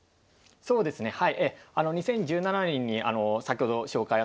そうですねはい。